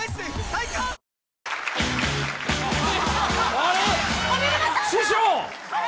あれ、師匠？